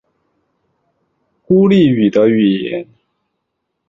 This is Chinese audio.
孤立语的语言。